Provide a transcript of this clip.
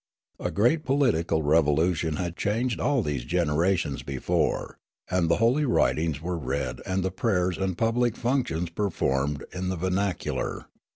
A great political revolution had changed all this gen erations before, and the holy writings were read and the prayers and public functions performed in the ver nacular.